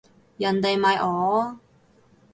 人哋咪哦